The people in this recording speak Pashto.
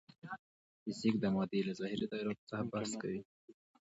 فزیک د مادې له ظاهري تغیراتو څخه بحث کوي.